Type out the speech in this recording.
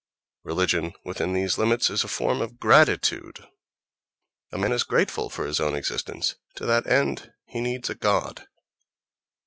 Religion, within these limits, is a form of gratitude. A man is grateful for his own existence: to that end he needs a god.